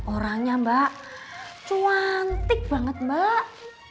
orangnya mbak cuantik banget mbak